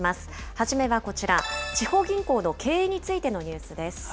初めはこちら、地方銀行の経営についてのニュースです。